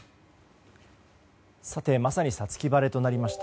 さて、まさに五月晴れとなりました